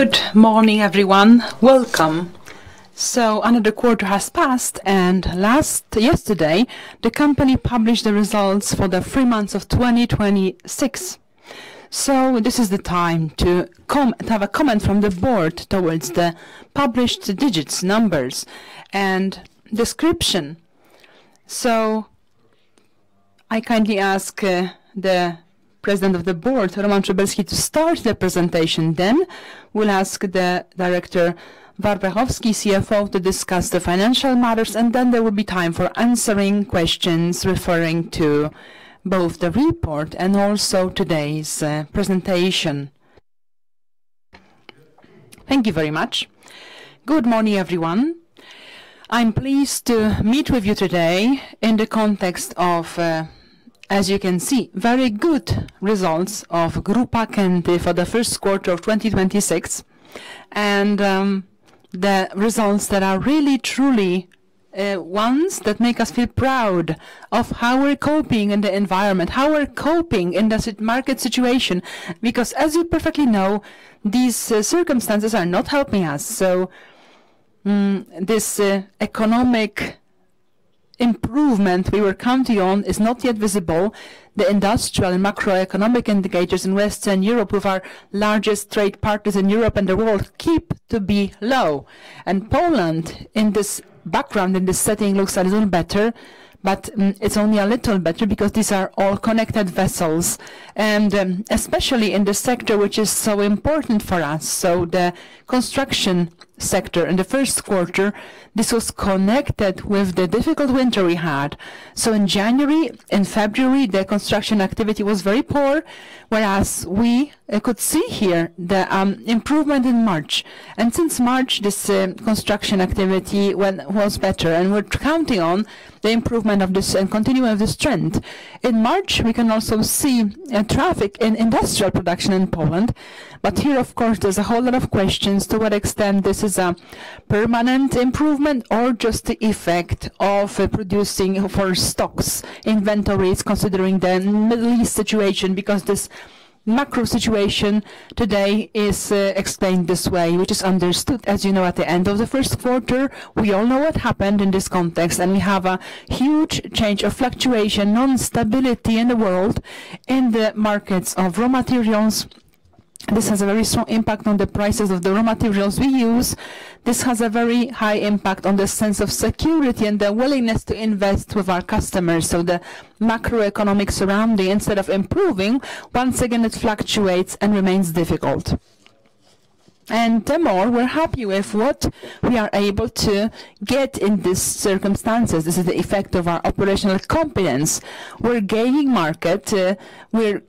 Good morning, everyone. Welcome. Another quarter has passed, and yesterday, the company published the results for the three months of 2026. This is the time to have a comment from the board towards the published digits, numbers, and description. I kindly ask the President of the Management Board, Dariusz Mańko, to start the presentation. Then we'll ask the Director, Rafał Warpechowski, CFO, to discuss the financial matters, and then there will be time for answering questions referring to both the report and also today's presentation. Thank you very much. Good morning, everyone. I'm pleased to meet with you today in the context of, as you can see, very good results of Grupa Kęty for the first quarter of 2026. The results that are really, truly ones that make us feel proud of how we're coping in the environment, how we're coping in this market situation. Because as you perfectly know, these circumstances are not helping us. This economic improvement we were counting on is not yet visible. The industrial and macroeconomic indicators in Western Europe, with our largest trade partners in Europe and the world, continue to be low. Poland, in this background, in this setting, looks a little better, but it's only a little better because these are all connected vessels, and especially in the sector, which is so important for us. The construction sector in the first quarter, this was connected with the difficult winter we had. In January and February, the construction activity was very poor, whereas we could see here the improvement in March. Since March, this construction activity was better. We're counting on the improvement of this and continuing of this trend. In March, we can also see a drop in industrial production in Poland, but here, of course, there's a whole lot of questions to what extent this is a permanent improvement or just the effect of producing for stocks, inventories, considering the Middle East situation, because this macro situation today is explained this way, which is understood. As you know, at the end of the first quarter, we all know what happened in this context, and we have a huge change of fluctuation, instability in the world, in the markets of raw materials. This has a very strong impact on the prices of the raw materials we use. This has a very high impact on the sense of security and the willingness to invest with our customers. The macroeconomic environment, instead of improving, once again, it fluctuates and remains difficult. The more we're happy with what we are able to get in these circumstances. This is the effect of our operational competence. We're gaining market share, we're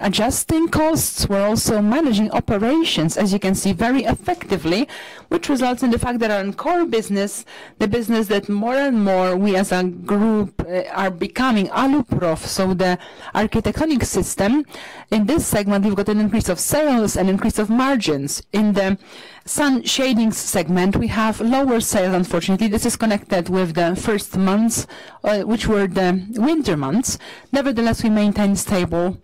adjusting costs. We're also managing operations, as you can see, very effectively, which results in the fact that our core business, the business that more and more we as a group are becoming Aluprof. The architectural system, in this segment, we've got an increase of sales and increase of margins. In the sun shading systems, we have lower sales, unfortunately. This is connected with the first months, which were the winter months. Nevertheless, we maintain stable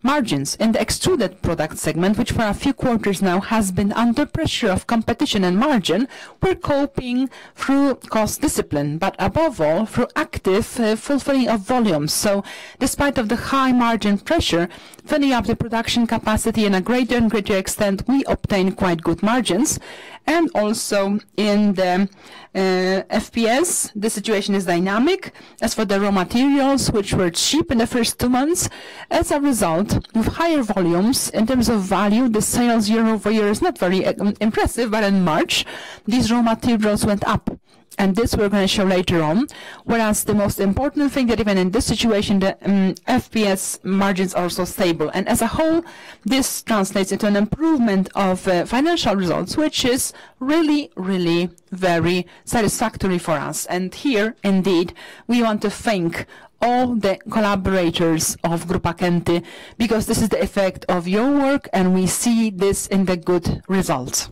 margins. In the Extruded Products Segment, which for a few quarters now has been under pressure of competition and margin, we're coping through cost discipline. But above all, through active fulfilling of volumes. Despite the high margin pressure filling up the production capacity in a greater and greater extent, we obtain quite good margins. Also in the FPS, the situation is dynamic. As for the raw materials, which were cheap in the first two months, as a result of higher volumes in terms of value, the sales year-over-year is not very impressive, but in March, these raw materials went up. This we're going to show later on. Whereas the most important thing that even in this situation, the FPS margins are still stable. As a whole, this translates into an improvement of financial results, which is really, really very satisfactory for us. Here, indeed, we want to thank all the collaborators of Grupa Kęty, because this is the effect of your work, and we see this in the good results.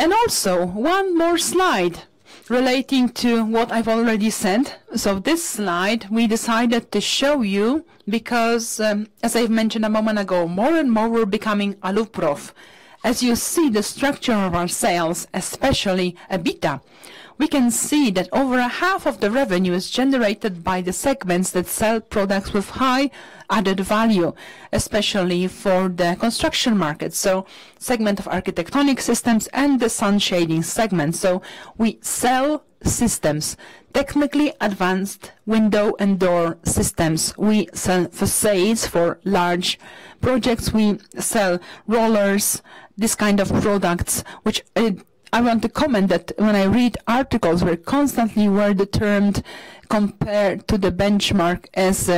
Also one more slide relating to what I've already said. This slide we decided to show you because, as I've mentioned a moment ago, more and more we're becoming Aluprof. As you see the structure of our sales, especially EBITDA, we can see that over a half of the revenue is generated by the segments that sell products with high added value, especially for the construction market, segment of Architectural Systems and the Sun Shading Systems. We sell systems, technically advanced window and door systems. We sell facades for large projects. We sell rollers, this kind of products, which I want to comment that when I read articles, we're constantly determined compared to the benchmark as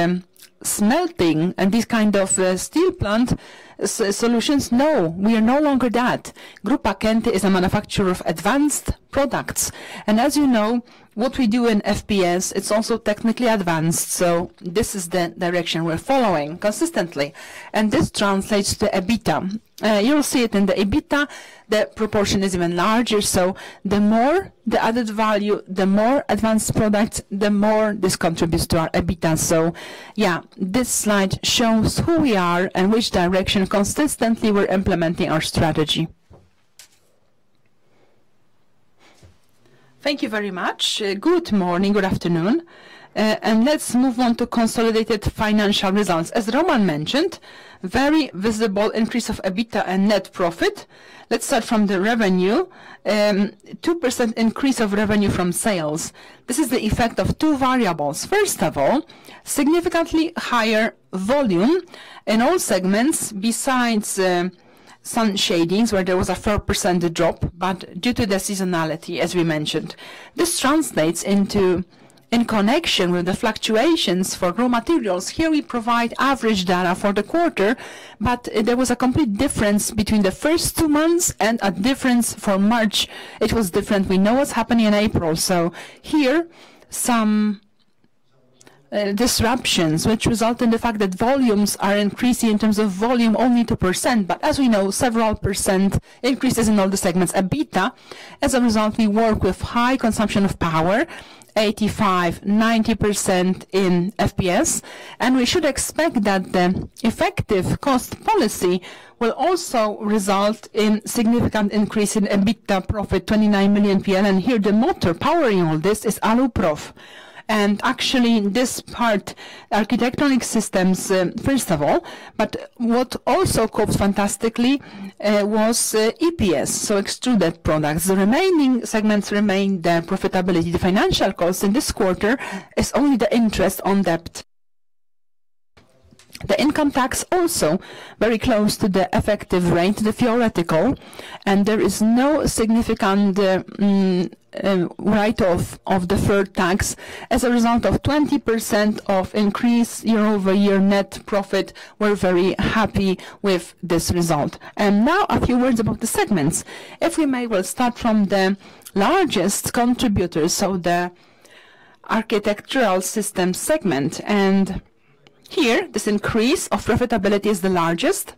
smelting and this kind of steel plant solutions. No, we are no longer that. Grupa Kęty is a manufacturer of advanced products and as you know, what we do in FPS, it's also technically advanced. This is the direction we're following consistently. This translates to EBITDA. You'll see it in the EBITDA, the proportion is even larger. The more the added value, the more advanced product, the more this contributes to our EBITDA. Yeah, this slide shows who we are and which direction consistently we're implementing our strategy. Thank you very much. Good morning, good afternoon, and let's move on to consolidated financial results. As Roman mentioned, very visible increase of EBITDA and net profit. Let's start from the revenue. 2% increase of revenue from sales. This is the effect of two variables. First of all, significantly higher volume in all segments besides some sun shadings where there was a 3% drop, but due to the seasonality, as we mentioned. This translates in connection with the fluctuations for raw materials. Here we provide average data for the quarter, but there was a complete difference between the first two months and a difference for March. It was different. We know what's happening in April, so there are some disruptions which result in the fact that volumes are increasing in terms of volume only 2%. As we know, several percent increases in all the segments. EBITDA, as a result, we work with high consumption of power, 85%-90% in FPS. We should expect that the effective cost policy will also result in significant increase in EBITDA profit 29 million. Here the motor powering all this is Aluprof. Actually, this part, architectural systems, first of all. What also coped fantastically was EPS, so extruded products. The remaining segments remained profitability. The financial cost in this quarter is only the interest on debt. The income tax is also very close to the effective rate, the theoretical, and there is no significant write-off of deferred tax as a result of 20% increase year-over-year net profit. We're very happy with this result. Now a few words about the segments. If we may, we'll start from the largest contributor, so the Aluminium Systems Segment. Here, this increase of profitability is the largest.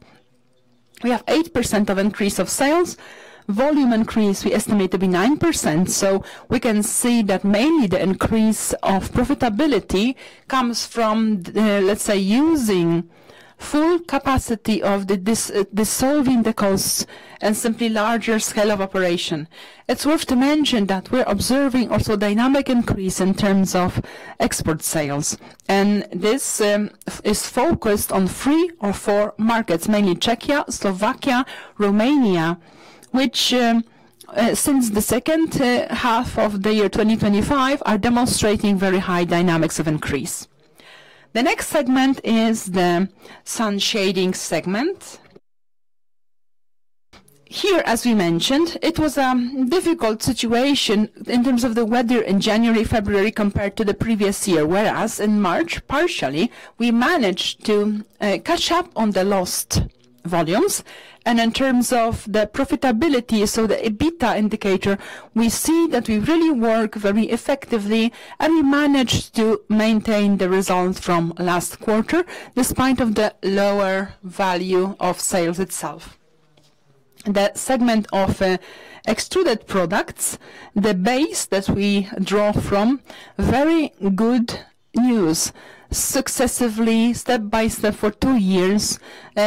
We have 8% increase of sales. Volume increase, we estimate to be 9%. We can see that mainly the increase of profitability comes from, let's say, using full capacity of this, diluting the costs and simply larger scale of operation. It's worth to mention that we're observing also dynamic increase in terms of export sales. This is focused on three or four markets, mainly Czechia, Slovakia, Romania, which, since the second half of the year 2025, are demonstrating very high dynamics of increase. The next segment is the Sun Shading Segment. Here, as we mentioned, it was a difficult situation in terms of the weather in January, February, compared to the previous year. Whereas in March, partially, we managed to catch up on the lost volumes. In terms of the profitability, so the EBITDA indicator, we see that we really work very effectively, and we managed to maintain the results from last quarter, despite of the lower value of sales itself. The segment of Extruded Products, the base that we draw from, very good news. Successively, step by step, for two years,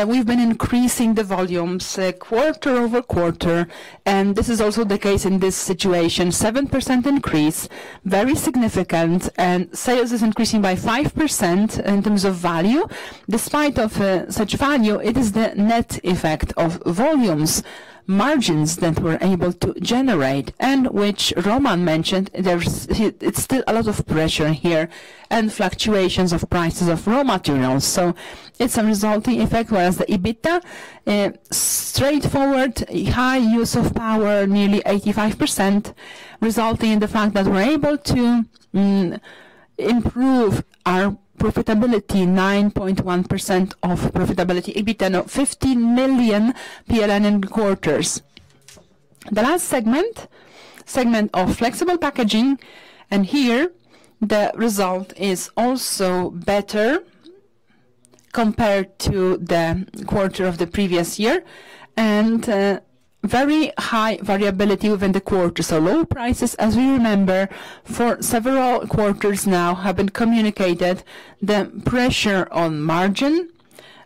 we've been increasing the volumes quarter-over-quarter, and this is also the case in this situation. 7% increase, very significant. Sales is increasing by 5% in terms of value. Despite of such value, it is the net effect of volumes, margins that we're able to generate, and which Roman mentioned, it's still a lot of pressure here and fluctuations of prices of raw materials. It's a resulting effect. Whereas the EBITDA, straightforward, high use of power, nearly 85%, resulting in the fact that we're able to improve our profitability, 9.1% of profitability, EBITDA of 15 million PLN in quarters. The last segment, the Flexible Packaging Segment, and here the result is also better compared to the quarter of the previous year and very high variability within the quarter. Low prices, as we remember, for several quarters now have been communicated. The pressure on margin.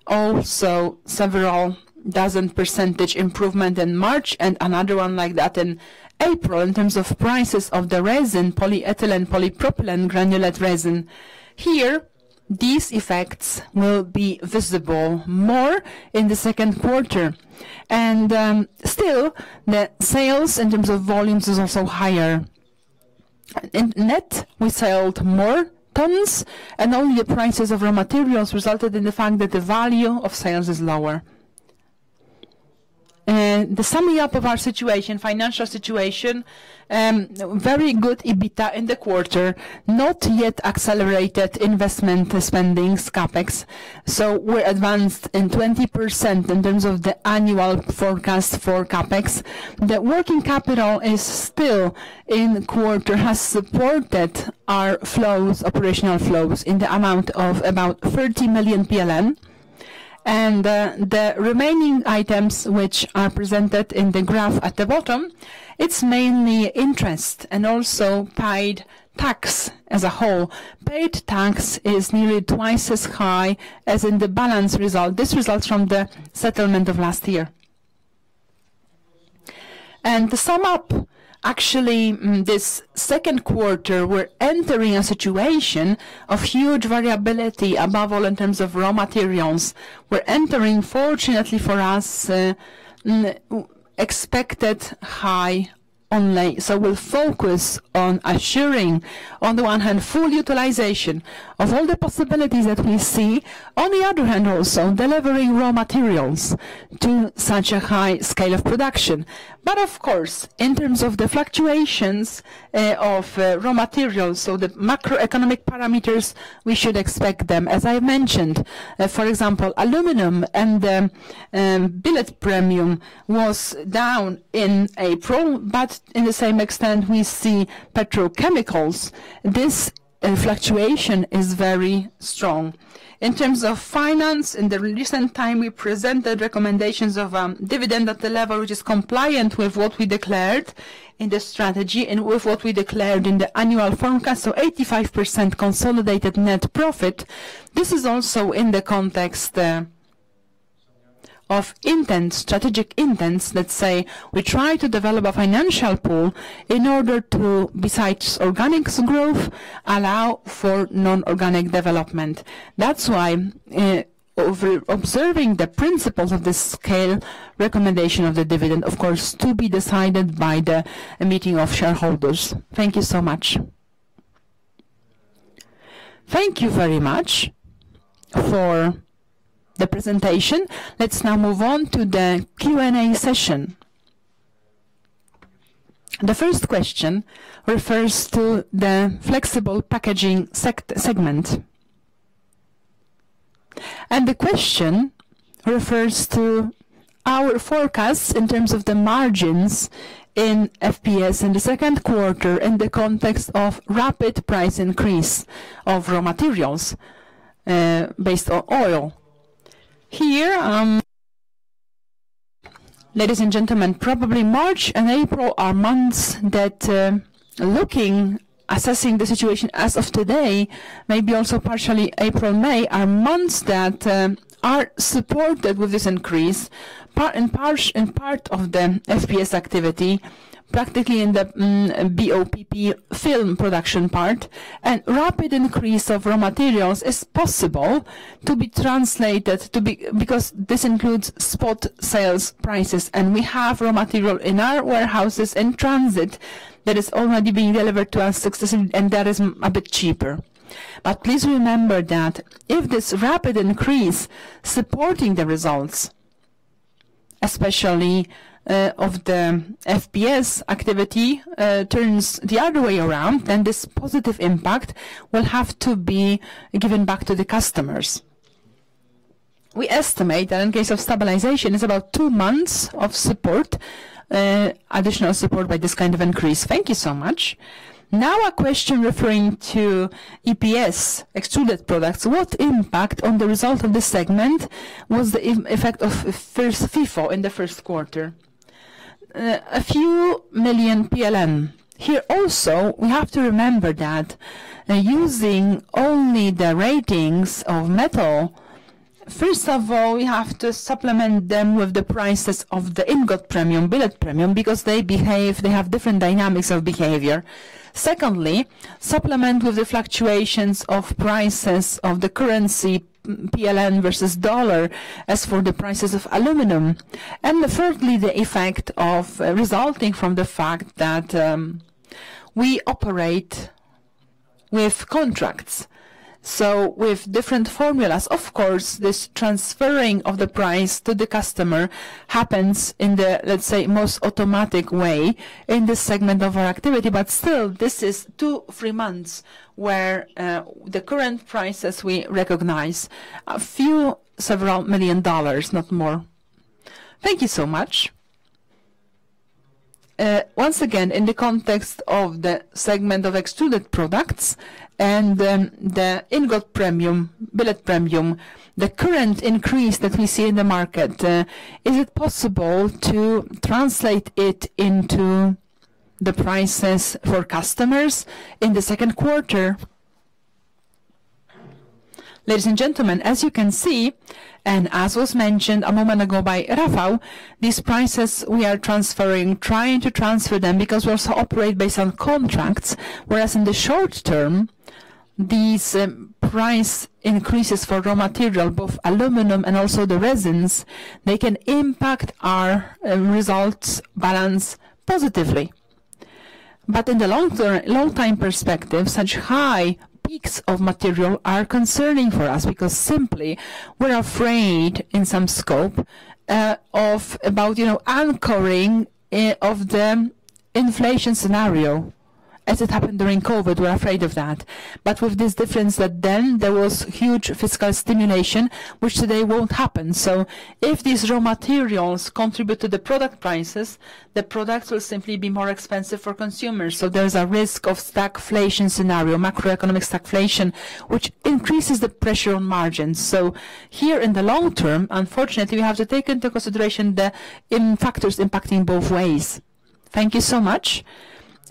Also several dozen percentage improvement in March and another one like that in April in terms of prices of the resin, polyethylene, polypropylene, granulate resin. Here, these effects will be visible more in the second quarter. Still, the sales in terms of volumes is also higher. In net, we sold more tons and only the prices of raw materials resulted in the fact that the value of sales is lower. To sum up our situation, financial situation, very good EBITDA in the quarter, not yet accelerated investment spendings, CapEx. We're advanced in 20% in terms of the annual forecast for CapEx. The working capital is still in the quarter has supported our cash flows, operational cash flows, in the amount of about 30 million PLN. The remaining items which are presented in the graph at the bottom, it's mainly interest and also paid tax as a whole. Paid tax is nearly twice as high as in the balance result. This results from the settlement of last year. To sum up, actually, this second quarter, we're entering a situation of huge variability, above all in terms of raw materials. We're entering, fortunately for us, expected high only. We'll focus on assuring, on the one hand, full utilization of all the possibilities that we see, on the other hand, also delivering raw materials to such a high scale of production. Of course, in terms of the fluctuations of raw materials, so the macroeconomic parameters, we should expect them. As I mentioned, for example, aluminum and the billet premium was down in April, but in the same extent we see petrochemicals. This fluctuation is very strong. In terms of finance, in the recent time, we presented recommendations of dividend at the level which is compliant with what we declared in the strategy and with what we declared in the annual forecast. 85% consolidated net profit. This is also in the context of intent, strategic intents, let's say. We try to develop a financial pool in order to, besides organics growth, allow for non-organic development. That's why, observing the principles of the scale recommendation of the dividend, of course, to be decided by the meeting of shareholders. Thank you so much. Thank you very much for the presentation. Let's now move on to the Q&A session. The first question refers to the Flexible Packaging Segment. The question refers to our forecasts in terms of the margins in FPS in the second quarter in the context of rapid price increase of raw materials, based on oil. Here, ladies and gentlemen, probably March and April are months that, looking, assessing the situation as of today, maybe also partially April, May, are months that are supported with this increase in part of the FPS activity, practically in the BOPP film production part. Rapid increase of raw materials is possible to be translated, because this includes spot sales prices and we have raw material in our warehouses in transit that is already being delivered to us, and that is a bit cheaper. Please remember that if this rapid increase supporting the results, especially of the FPS activity, turns the other way around, then this positive impact will have to be given back to the customers. We estimate that in case of stabilization, it's about two months of additional support by this kind of increase. Thank you so much. Now a question referring to the Extruded Products Segment. What impact on the result of this segment was the effect of first FIFO in the first quarter? A few million PLN. Here, also, we have to remember that using only the quotations of metal, first of all, we have to supplement them with the prices of the ingot premium, billet premium, because they have different dynamics of behavior. Secondly, supplement with the fluctuations of prices of the currency, PLN versus dollar, as for the prices of aluminum. Thirdly, the effect resulting from the fact that we operate with contracts, so with different formulas. Of course, this transferring of the price to the customer happens in the, let's say, most automatic way in this segment of our activity. But still, this is 2, 3 months where the current prices we recognize, a few, several million dollars, not more. Thank you so much. Once again, in the context of the Extruded Products Segment and the ingot premium, billet premium, the current increase that we see in the market, is it possible to translate it into the prices for customers in the second quarter? Ladies and gentlemen, as you can see, and as was mentioned a moment ago by Rafał, these prices we are trying to transfer them because we also operate based on contracts, whereas in the short term, these price increases for raw material, both aluminum and also the resins, they can impact our results balance positively. In the long time perspective, such high peaks of material are concerning for us because simply, we're afraid, in some scope, about anchoring of the inflation scenario as it happened during COVID. We're afraid of that. With this difference that then there was huge fiscal stimulation, which today won't happen. If these raw materials contribute to the product prices, the products will simply be more expensive for consumers. There's a risk of stagflation scenario, macroeconomic stagflation, which increases the pressure on margins. Here in the long term, unfortunately, we have to take into consideration the factors impacting both ways. Thank you so much.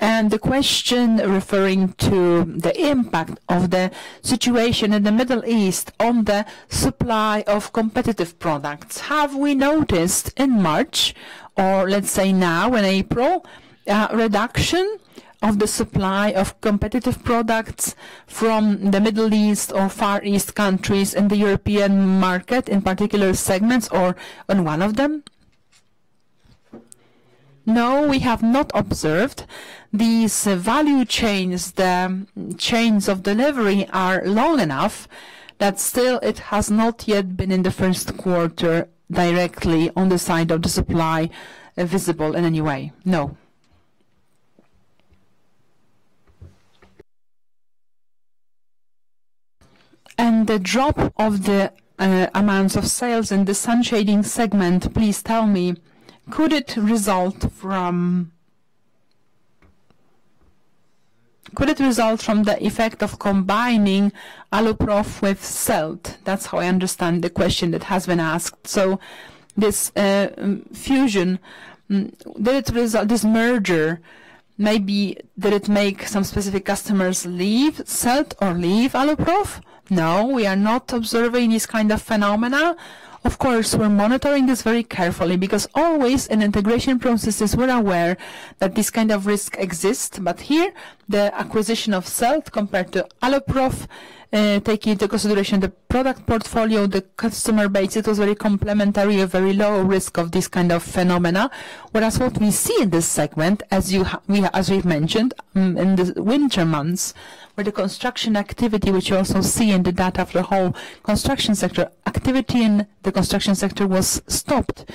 The question referring to the impact of the situation in the Middle East on the supply of competitive products. Have we noticed in March or, let's say now in April, a reduction of the supply of competitive products from the Middle East or Far East countries in the European market, in particular segments or on one of them? No, we have not observed. These value chains, the chains of delivery are long enough that still it has not yet been in the first quarter directly on the side of the supply visible in any way. No. The drop of the amounts of sales in the sun shading systems, please tell me, could it result from the effect of combining Aluprof with Selt? That's how I understand the question that has been asked. This fusion, this merger, maybe did it make some specific customers leave Selt or leave Aluprof? No, we are not observing this kind of phenomena. Of course, we're monitoring this very carefully because always in integration processes, we're aware that this kind of risk exists. Here, the acquisition of Selt compared to Aluprof, taking into consideration the product portfolio, the customer base, it was very complementary, a very low risk of this kind of phenomena. Whereas what we see in this segment, as we've mentioned, in the winter months where the construction activity, which you also see in the data for the whole construction sector, was stopped.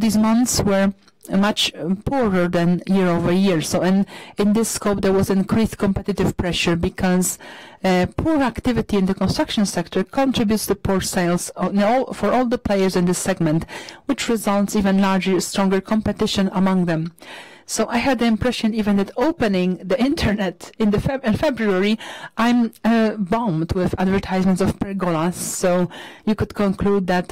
These months were much poorer than year-over-year. In this scope, there was increased competitive pressure because poor activity in the construction sector contributes to poor sales for all the players in this segment, which results in even larger, stronger competition among them. I had the impression even that opening the internet in February, I'm bombed with advertisements of pergolas. You could conclude that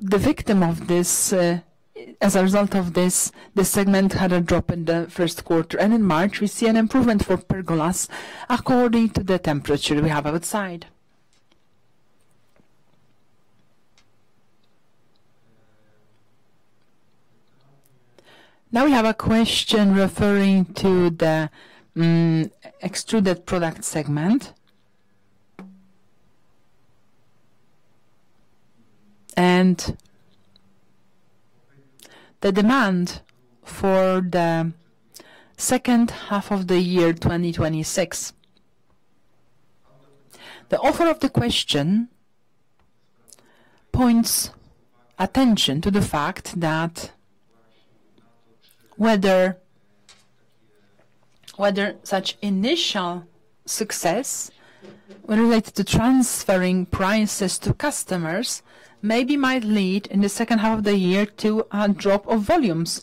the victim of this, as a result of this, the segment had a drop in the first quarter. In March, we see an improvement for pergolas according to the temperature we have outside. Now we have a question referring to the Extruded Products Segment and the demand for the second half of the year 2026. The author of the question draws attention to the fact that whether such initial success related to transferring prices to customers, maybe might lead in the second half of the year to a drop of volumes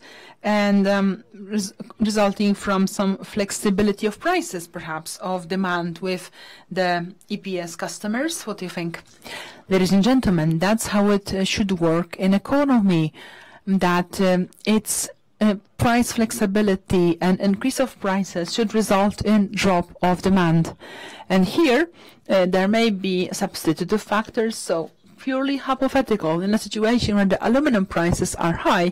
resulting from some flexibility of prices, perhaps of demand with the EPS customers. What do you think? Ladies and gentlemen, that's how it should work in economy, that it's price flexibility and increase of prices should result in drop of demand. Here, there may be substitutive factors, so purely hypothetical. In a situation where the aluminum prices are high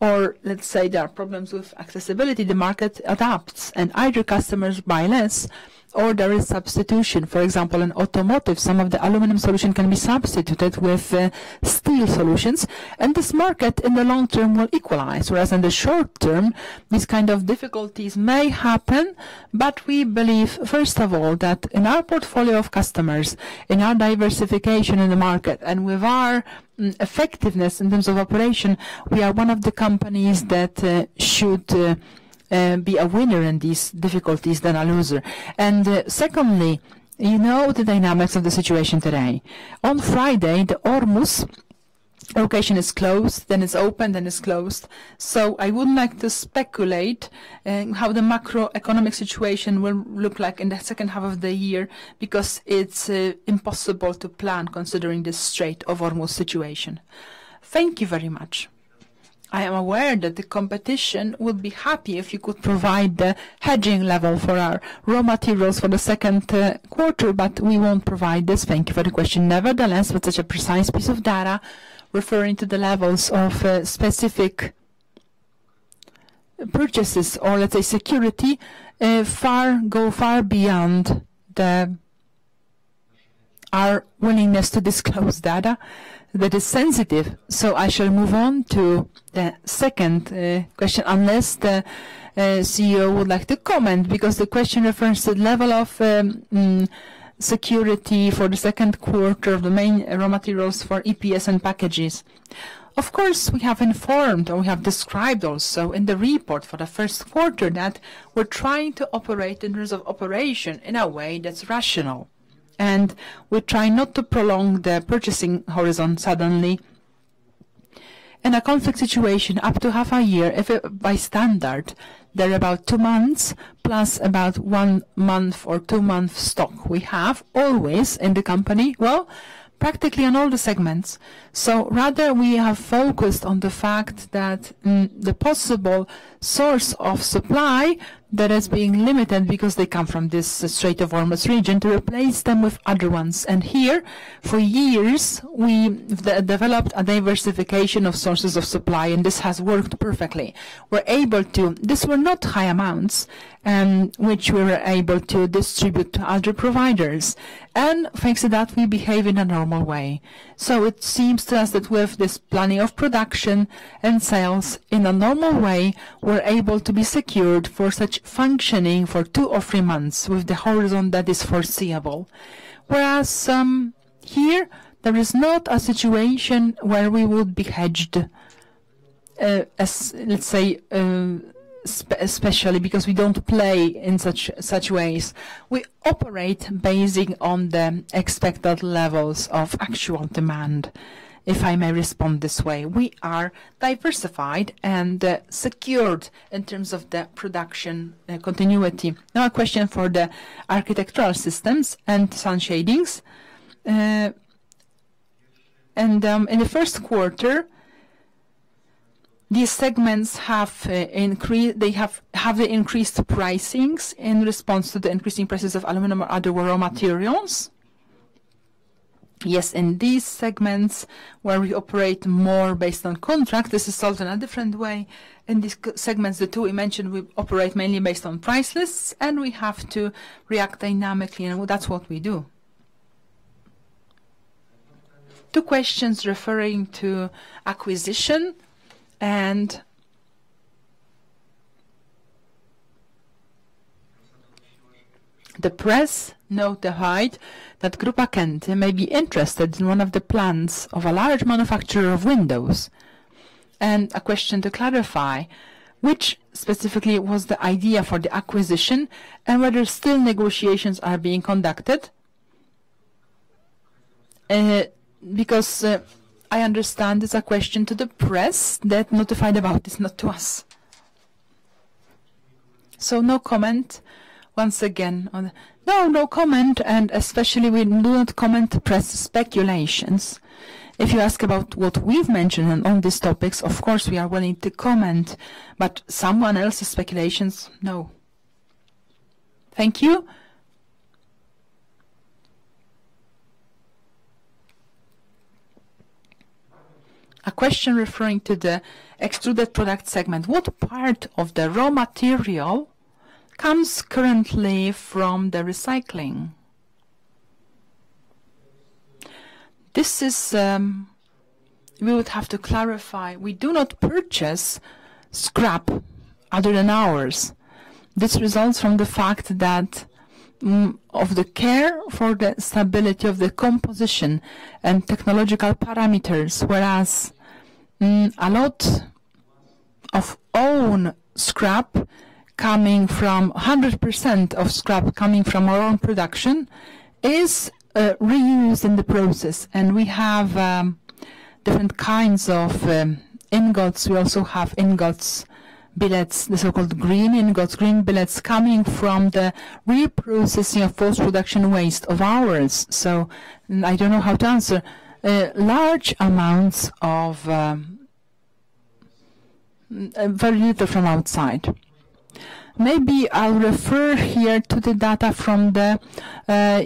or let's say there are problems with accessibility, the market adapts and either customers buy less or there is substitution. For example, in automotive, some of the aluminum solution can be substituted with steel solutions, and this market in the long term will equalize, whereas in the short term, these kind of difficulties may happen. We believe, first of all, that in our portfolio of customers, in our diversification in the market, and with our effectiveness in terms of operation, we are one of the companies that should be a winner in these difficulties than a loser. Second, you know the dynamics of the situation today. On Friday, the Strait of Hormuz is closed, then it's open, then it's closed. I wouldn't like to speculate how the macroeconomic situation will look like in the second half of the year, because it's impossible to plan considering the Strait of Hormuz situation. Thank you very much. I am aware that the competition would be happy if you could provide the hedging level for our raw materials for the second quarter, but we won't provide this. Thank you for the question. Nevertheless, with such a precise piece of data, referring to the levels of specific purchases or let's say security, go far beyond our willingness to disclose data that is sensitive. I shall move on to the second question, unless the CEO would like to comment, because the question refers to the level of security for the second quarter of the main raw materials for EPS and packages. Of course, we have informed or we have described also in the report for the first quarter that we're trying to operate in terms of operation in a way that's rational. We're trying not to prolong the purchasing horizon suddenly. In a conflict situation up to half a year, if by standard they're about 2 months plus about 1 month or 2 months stock we have always in the company. Well, practically in all the segments. Rather we have focused on the fact that the possible source of supply that is being limited because they come from this Strait of Hormuz region, to replace them with other ones. Here, for years we developed a diversification of sources of supply and this has worked perfectly. These were not high amounts, which we were able to distribute to other providers and thanks to that, we behave in a normal way. It seems to us that with this planning of production and sales in a normal way, we're able to be secured for such functioning for two or three months with the horizon that is foreseeable. Whereas here, there is not a situation where we would be hedged, let's say, especially because we don't play in such ways. We operate basing on the expected levels of actual demand, if I may respond this way. We are diversified and secured in terms of the production continuity. Now a question for the Architectural Systems and Sun Shading. In the first quarter, these segments have increased the pricings in response to the increasing prices of aluminum or other raw materials. Yes, in these segments where we operate more based on contract, this is solved in a different way. In these segments, the two we mentioned, we operate mainly based on price lists and we have to react dynamically, and that's what we do. Two questions referring to acquisition and the press noted that Grupa Kęty may be interested in one of the plants of a large manufacturer of windows. A question to clarify, which specifically was the idea for the acquisition and whether still negotiations are being conducted? Because I understand it's a question to the press that notified about this, not to us. No comment once again. No, no comment, and especially we don't comment on press speculations. If you ask about what we've mentioned on these topics, of course, we are willing to comment, but someone else's speculations, no. Thank you. A question referring to the Extruded Products Segment. What part of the raw material comes currently from the recycling? We would have to clarify, we do not purchase scrap other than ours. This results from the fact that of the care for the stability of the composition and technological parameters, whereas a lot of own scrap, 100% of scrap coming from our own production is reused in the process, and we have different kinds of ingots. We also have ingots, billets, the so-called green ingots, green billets, coming from the reprocessing of post-production waste of ours. So I don't know how to answer. Large amounts of value from outside. Maybe I'll refer here to the data from the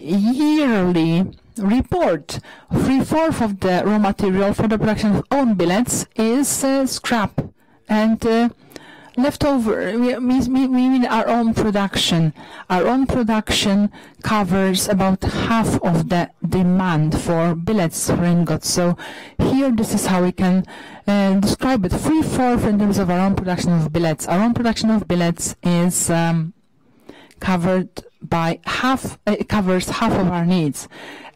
yearly report. 3/4 of the raw material for the production of own billets is scrap and leftover, meaning our own production. Our own production covers about half of the demand for billets or ingots. Here, this is how we can describe it. 3/4 in terms of our own production of billets. Our own production of billets covers half of our needs.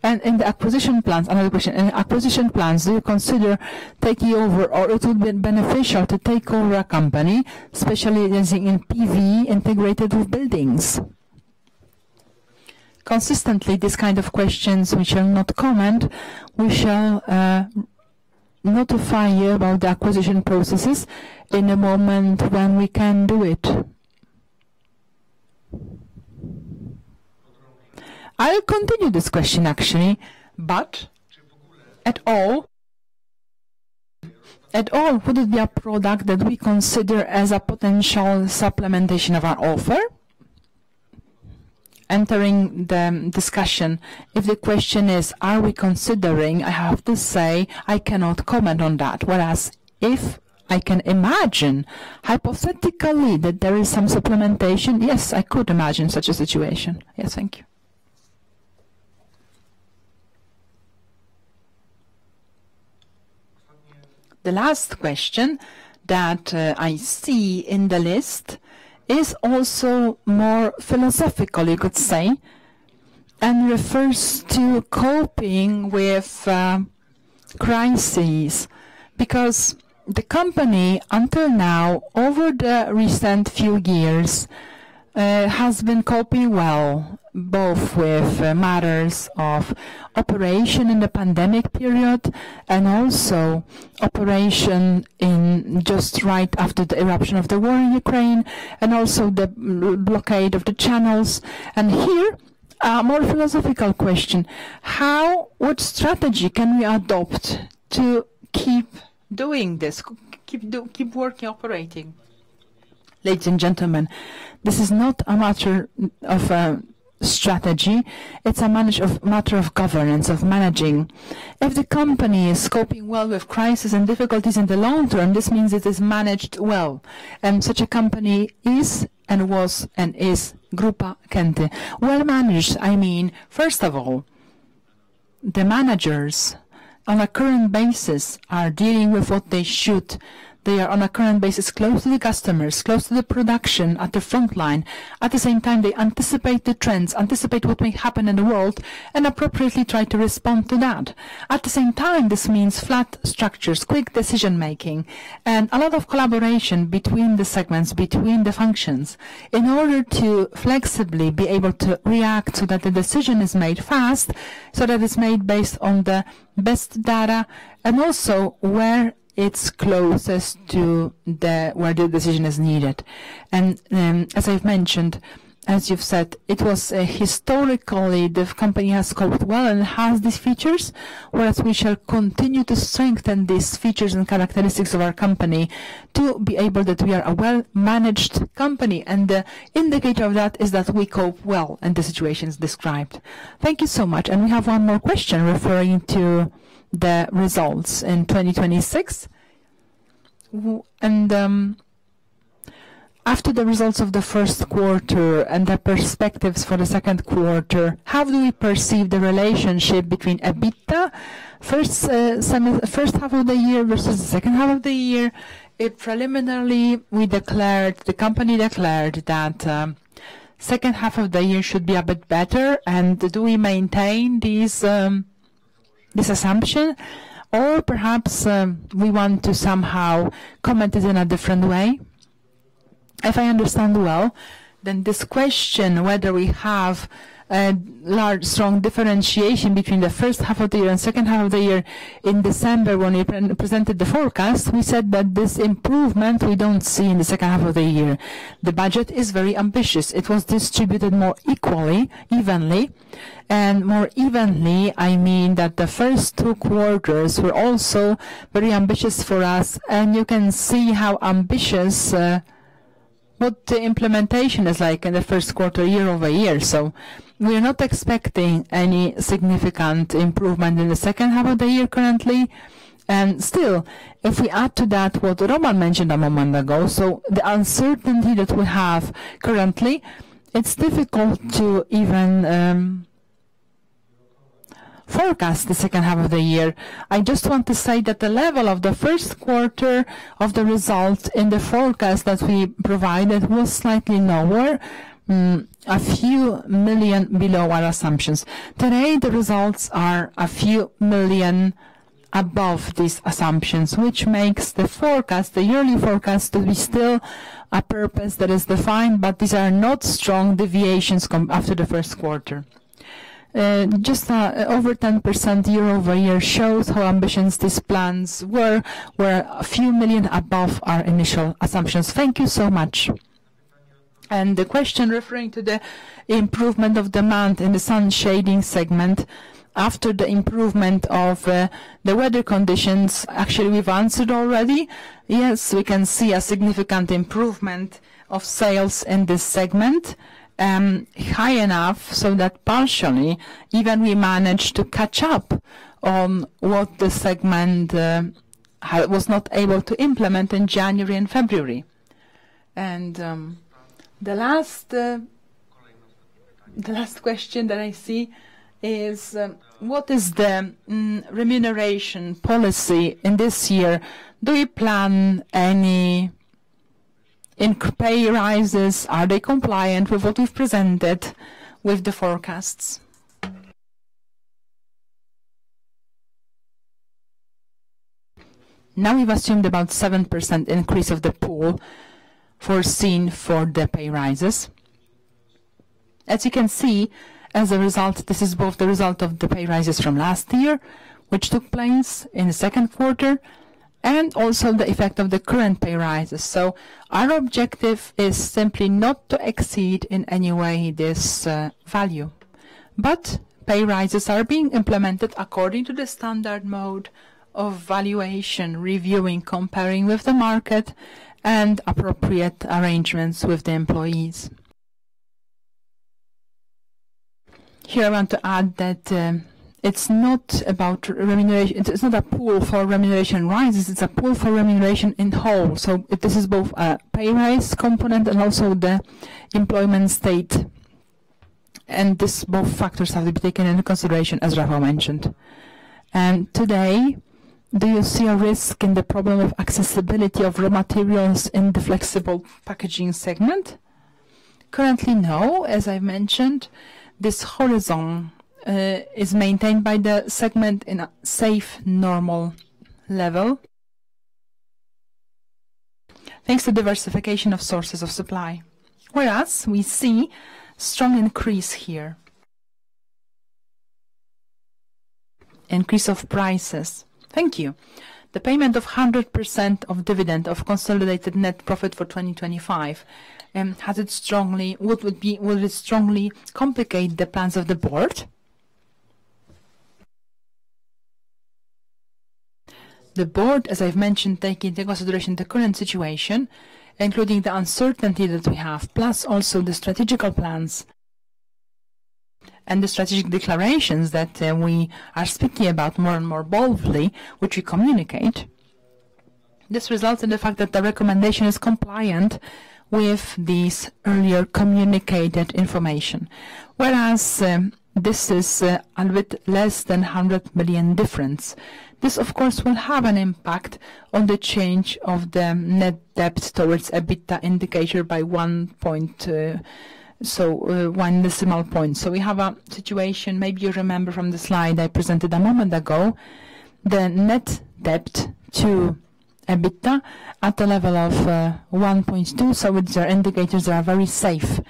In the acquisition plans, another question. In the acquisition plans, do you consider taking over, or it would be beneficial to take over a company, especially using PV integrated with buildings? Consistently, these kind of questions we shall not comment. We shall notify you about the acquisition processes in the moment when we can do it. I'll continue this question, actually, but after all would it be a product that we consider as a potential supplementation of our offer? Entering the discussion, if the question is, are we considering, I have to say I cannot comment on that. Whereas if I can imagine hypothetically that there is some supplementation, yes, I could imagine such a situation. Yes. Thank you. The last question that I see in the list is also more philosophical, you could say, and refers to coping with crisis. Because the company until now, over the recent few years has been coping well, both with matters of operation in the pandemic period, and also operation in just right after the eruption of the war in Ukraine, and also the blockade of the channels. Here, a more philosophical question, what strategy can we adopt to keep doing this, keep working, operating? Ladies and gentlemen, this is not a matter of a strategy. It's a matter of governance, of managing. If the company is coping well with crisis and difficulties in the long term, this means it is managed well. Such a company is and was, and is Grupa Kęty. Well-managed, I mean, first of all, the managers on a current basis are dealing with what they should. They are on a current basis, close to the customers, close to the production at the front line. At the same time, they anticipate the trends, anticipate what may happen in the world, and appropriately try to respond to that. At the same time, this means flat structures, quick decision-making, and a lot of collaboration between the segments, between the functions, in order to flexibly be able to react so that the decision is made fast, so that it's made based on the best data, and also where it's closest to where the decision is needed. As I've mentioned, as you've said, it was historically the company has coped well and has these features, whereas we shall continue to strengthen these features and characteristics of our company to be able that we are a well-managed company, and the indicator of that is that we cope well in the situations described. Thank you so much. We have one more question referring to the results in 2026. After the results of the first quarter and the perspectives for the second quarter, how do we perceive the relationship between EBITDA first half of the year versus the second half of the year? If preliminarily the company declared that second half of the year should be a bit better, and do we maintain this assumption? Or perhaps, we want to somehow comment it in a different way? If I understand well, then this question, whether we have a large, strong differentiation between the first half of the year and second half of the year, in December when we presented the forecast, we said that this improvement we don't see in the second half of the year. The budget is very ambitious. It was distributed more equally, evenly. More evenly, I mean that the first two quarters were also very ambitious for us. You can see how ambitious, what the implementation is like in the first quarter, year over year. We're not expecting any significant improvement in the second half of the year currently. Still, if we add to that what Roman mentioned a moment ago, so the uncertainty that we have currently, it's difficult to even forecast the second half of the year. I just want to say that the level of the first quarter of the results in the forecast that we provided was slightly lower, a few million PLN below our assumptions. Today, the results are a few million PLN above these assumptions, which makes the yearly forecast to be still a purpose that is defined, but these are not strong deviations after the first quarter. Just over 10% year-over-year shows how ambitious these plans were a few million PLN above our initial assumptions. Thank you so much. The question referring to the improvement of demand in the Sun Shading systems after the improvement of the weather conditions, actually, we've answered already. Yes, we can see a significant improvement of sales in this segment, high enough so that partially even we managed to catch up on what the segment was not able to implement in January and February. The last question that I see is, what is the remuneration policy in this year? Do you plan any pay rises? Are they compliant with what we've presented with the forecasts? Now we've assumed about 7% increase of the pool foreseen for the pay rises. As you can see, as a result, this is both the result of the pay rises from last year, which took place in the second quarter, and also the effect of the current pay rises. Our objective is simply not to exceed in any way this value. Pay rises are being implemented according to the standard mode of valuation, reviewing, comparing with the market and appropriate arrangements with the employees. Here, I want to add that, it's not about remuneration. It's not a pool for remuneration rises. It's a pool for remuneration in whole. This is both a pay raise component and also the employment state. This both factors have to be taken into consideration, as Rafał mentioned. Today, do you see a risk in the problem of accessibility of raw materials in the Flexible Packaging Segment? Currently, no. As I mentioned, this horizon is maintained by the segment in a safe, normal level. Thanks to diversification of sources of supply. Whereas we see strong increase here. Increase of prices. Thank you. The payment of 100% of dividend of consolidated net profit for 2025, will it strongly complicate the plans of the board? The board, as I've mentioned, taking into consideration the current situation, including the uncertainty that we have, plus also the strategical plans and the strategic declarations that we are speaking about more and more boldly, which we communicate. This results in the fact that the recommendation is compliant with these earlier communicated information. This is a little bit less than 100 million difference. This, of course, will have an impact on the change of the net debt to EBITDA indicator by one decimal point. We have a situation, maybe you remember from the slide I presented a moment ago, the net debt to EBITDA at the level of 1.2. It's our indicators are very safe.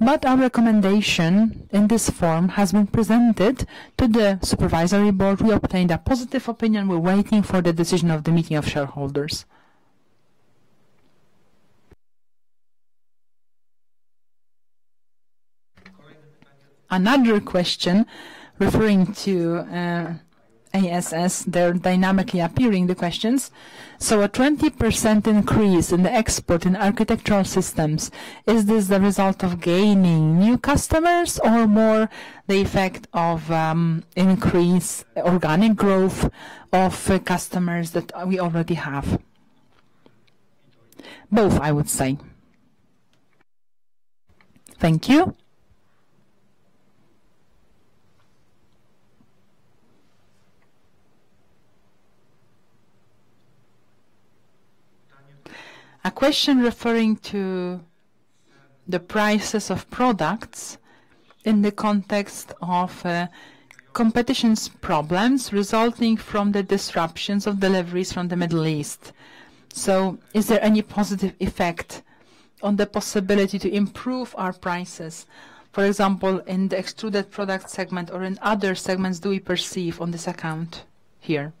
Our recommendation in this form has been presented to the supervisory board. We obtained a positive opinion. We're waiting for the decision of the meeting of shareholders. Another question referring to Aluminium Systems Segment. They're dynamically appearing, the questions. A 20% increase in the export in architectural systems, is this the result of gaining new customers or more the effect of increase organic growth of customers that we already have? Both, I would say. Thank you. A question referring to the prices of products in the context of competition's problems resulting from the disruptions of deliveries from the Middle East. Is there any positive effect on the possibility to improve our prices? For example, in the Extruded Products Segment or in other segments do we perceive on this account here?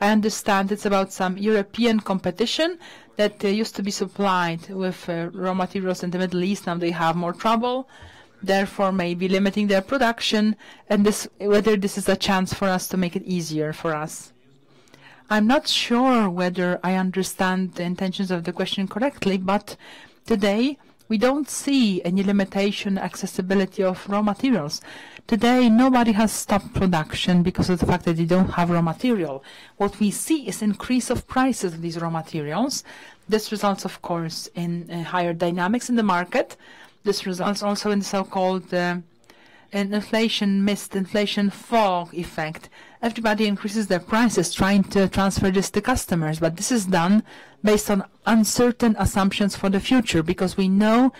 I understand it's about some European competition that used to be supplied with raw materials in the Middle East. Now they have more trouble, therefore, maybe limiting their production and whether this is a chance for us to make it easier for us. I'm not sure whether I understand the intentions of the question correctly, but today we don't see any limitations in accessibility of raw materials. Today, nobody has stopped production because of the fact that they don't have raw material. What we see is increase of prices of these raw materials. This results, of course, in higher dynamics in the market. This results also in the so-called inflation fog effect. Everybody increases their prices trying to transfer this to customers. This is done based on uncertain assumptions for the future, because we know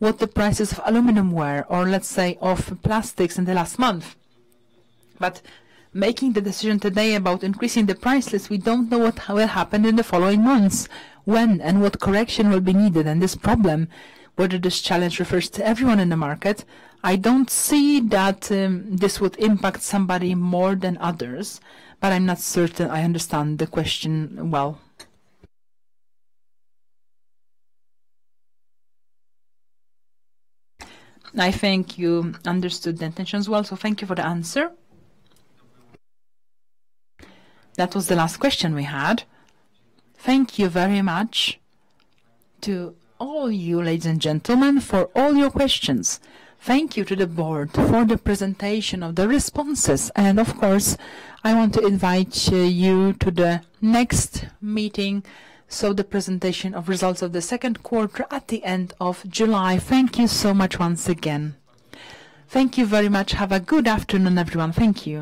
what the prices of aluminum were, or let's say, of plastics in the last month. Making the decision today about increasing the prices, we don't know what will happen in the following months, when and what correction will be needed and this problem, whether this challenge refers to everyone in the market. I don't see that this would impact somebody more than others, but I'm not certain I understand the question well. I think you understood the intentions well. Thank you for the answer. That was the last question we had. Thank you very much to all you, ladies and gentlemen, for all your questions. Thank you to the board for the presentation of the responses, and of course, I want to invite you to the next meeting. The presentation of results of the second quarter at the end of July. Thank you so much once again. Thank you very much. Have a good afternoon, everyone. Thank you.